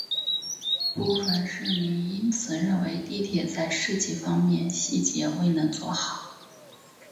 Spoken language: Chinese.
部分市民因此认为地铁在设计方面细节未能做好。